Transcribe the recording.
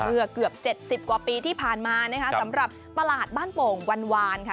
เมื่อเกือบ๗๐กว่าปีที่ผ่านมานะครับสำหรับประหลาดบ้านโป่งวันวานค่ะ